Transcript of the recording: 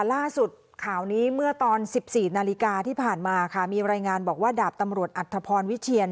ล่าสุดข่าวนี้เมื่อตอน๑๔นาฬิกาที่ผ่านมาค่ะมีรายงานบอกว่าดาบตำรวจอัธพรวิเชียน